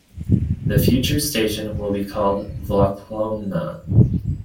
The future station will be called Volkhonka.